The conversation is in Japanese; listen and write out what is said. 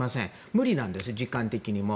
無理なんです、時間的にも。